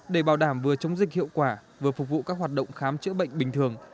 để bảo đảm vừa chống dịch hiệu quả vừa phục vụ các hoạt động khám chữa bệnh bình thường